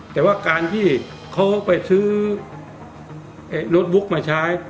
แต่ว่าการที่เขาไปซื้อโน้ตบุ๊กมาใช้